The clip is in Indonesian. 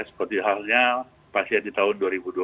seperti halnya pasien di tahun dua ribu dua puluh